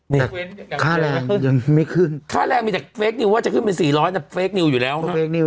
นี่ค่าแรงขึ้นยังไม่ขึ้นค่าแรงมีแต่เฟคนิวว่าจะขึ้นเป็น๔๐๐แต่เฟคนิวอยู่แล้ว